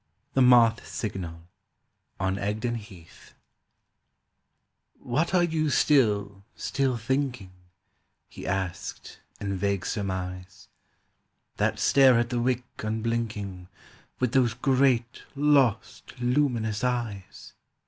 THE MOTH SIGNAL (On Egdon Heath) "WHAT are you still, still thinking," He asked in vague surmise, "That stare at the wick unblinking With those great lost luminous eyes?"